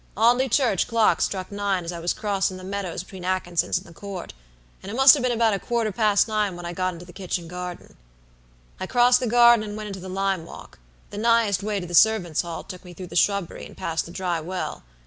Audley church clock struck nine as I was crossin' the meadows between Atkinson's and the Court, and it must have been about a quarter past nine when I got into the kitchen garden. "I crossed the garden, and went into the lime walk; the nighest way to the servants' hall took me through the shrubbery and past the dry well.